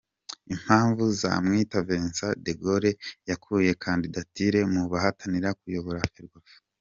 Impamvu Nzamwita Vincent De Gaulle yakuye kandidatire mu bahatanira kuyobora Ferwafa